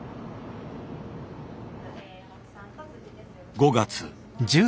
５月。